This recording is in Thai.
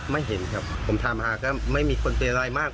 ไม่เห็นครับผมถามหาก็ไม่มีคนเป็นอะไรมาก